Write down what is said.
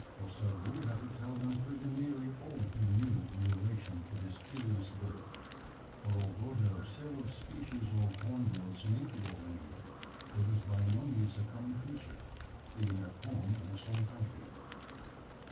Ossaroo had to tell them pretty nearly all he knew in relation to this curious bird; for although there are several species of hornbills natives of India, it is by no means a common creature, even at home in its own country.